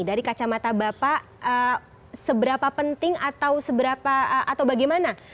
dari kacamata bapak seberapa penting atau bagaimana